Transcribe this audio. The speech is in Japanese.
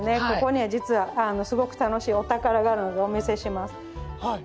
ここね実はすごく楽しいお宝があるのでお見せします。